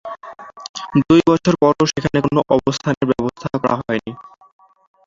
দুই বছর পরও সেখানে কোন অবস্থানের ব্যবস্থা করা হয়নি।